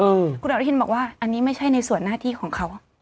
คุณอนุทินบอกว่าอันนี้ไม่ใช่ในส่วนหน้าที่ของเขา